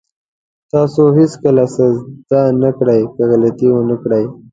تاسو هېڅکله څه زده نه کړئ که غلطي ونه کړئ.